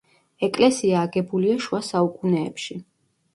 ეკლესია აგებულია შუა საუკუნეებში.